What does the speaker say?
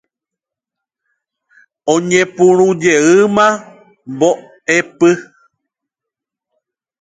Oñepyrũjeýma mbo'epy.